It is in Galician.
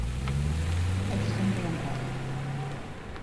Haiche xente ben rara.